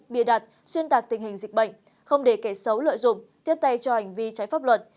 bịa đặt xuyên tạc tình hình dịch bệnh không để kẻ xấu lợi dụng tiếp tay cho hành vi trái pháp luật